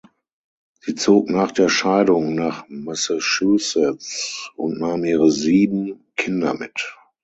Sie zog nach der Scheidung nach Massachusetts und nahm ihre sieben Kinder mit.